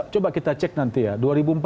coba kita cek dulu